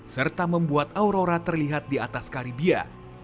serta membuat aurora terlihat di atas karibia